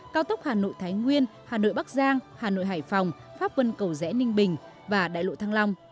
cao tốc hà nội thái nguyên hà nội bắc giang hà nội hải phòng pháp vân cầu rẽ ninh bình và đại lộ thăng long